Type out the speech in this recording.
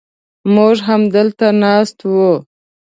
موږ همدلته ناست و.